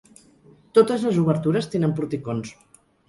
Totes les obertures tenen porticons.